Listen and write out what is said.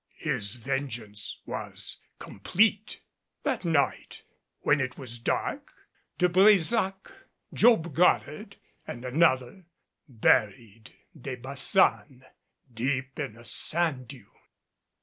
His vengeance was complete. That night, when it was dark, De Brésac, Job Goddard and another, buried De Baçan deep in a sand dune.